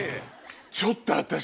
ちょっと私。